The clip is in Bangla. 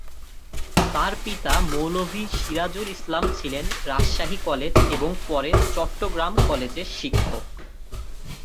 তার পিতা মৌলভী সিরাজুল ইসলাম ছিলেন রাজশাহী কলেজ এবং পরে চট্টগ্রাম কলেজের শিক্ষক।